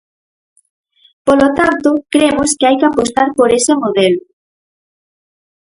Polo tanto, cremos que hai que apostar por ese modelo.